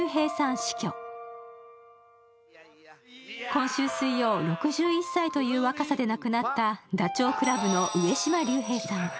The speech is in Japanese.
今週水曜、６１歳という若さで亡くなったダチョウ倶楽部の上島竜兵さん。